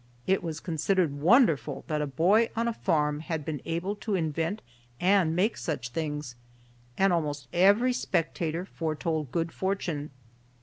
It was considered wonderful that a boy on a farm had been able to invent and make such things, and almost every spectator foretold good fortune.